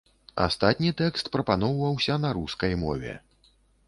Астатні тэкст прапаноўваўся на рускай мове.